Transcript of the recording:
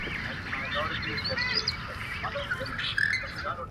• خو ذهن نه هېرېږي هېڅکله تل..